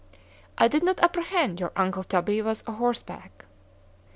——I did not apprehend your uncle Toby was o'horseback.